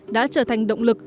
đã trở thành động lực